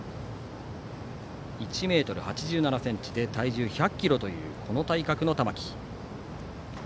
１ｍ８７ｃｍで体重１００ｋｇという体格の玉木。